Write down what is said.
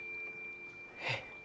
えっ？